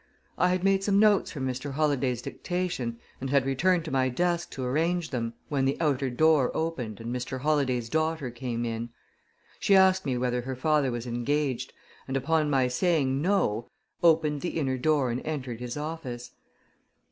I had made some notes from Mr. Holladay's dictation, and had returned to my desk to arrange them, when the outer door opened and Mr. Holladay's daughter came in. She asked me whether her father was engaged, and upon my saying no, opened the inner door and entered his office.